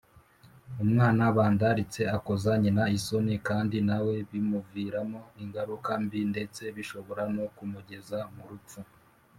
umwana bandaritse akoza nyina isoni kandi nawe bimuviramo ingaruka mbi ndetse bishobora no kumugeza murupfu